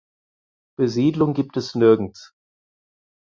Besiedlung gibt es nirgends.